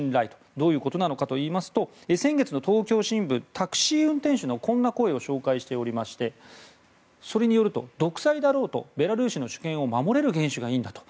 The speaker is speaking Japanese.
どういうことなのかというと先月の東京新聞タクシー運転手のこんな声を紹介しておりましてそれによると独裁だろうとベラルーシの主権を守れる元首がいいんだと。